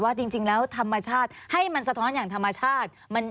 จริงแล้วธรรมชาติให้มันสะท้อนอย่างธรรมชาติ